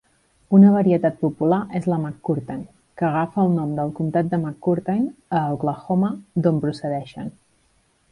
Una varietat popular és la McCurtain, que agafa el nom del comtat de McCurtain, a Oklahoma, d'on procedeixen.